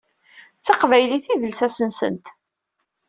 D taqbaylit i d lsas-nsent.